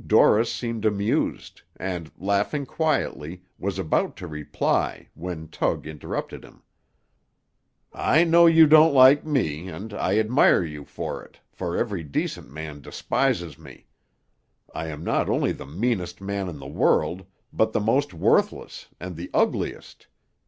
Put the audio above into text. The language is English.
Dorris seemed amused, and, laughing quietly, was about to reply, when Tug interrupted him. "I know you don't like me, and I admire you for it, for every decent man despises me. I am not only the meanest man in the world, but the most worthless, and the ugliest.